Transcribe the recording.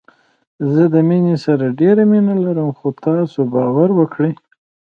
زه د مينې سره ډېره مينه لرم خو تاسو باور وکړئ